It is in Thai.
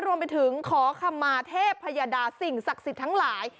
รวมไปถึงขอคำมาเทพพยดาสิ่งศักดิ์สิทธิ์ทั้งหลาย